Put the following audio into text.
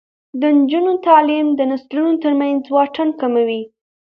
د نجونو تعلیم د نسلونو ترمنځ واټن کموي.